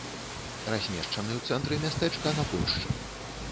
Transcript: Размешчаны ў цэнтры мястэчка, на плошчы.